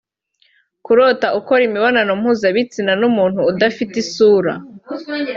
Kurota ukorana imibonano mpuzabitsina n’umuntu udafite isura